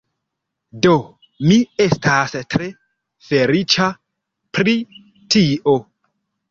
Do, mi estas tre feliĉa pri tio